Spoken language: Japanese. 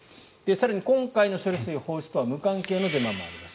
更に今回の処理水放出とは無関係のデマもあります。